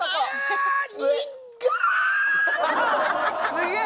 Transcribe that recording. すげえ！